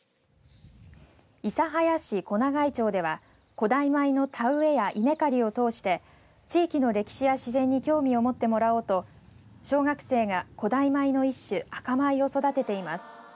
諫早市小長井町では古代米の田植えや稲刈りを通して地域の歴史や自然に興味を持ってもらおうと小学生が古代米の一種、赤米を育てています。